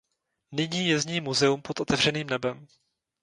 Nyní je z ní muzeum pod otevřeným nebem.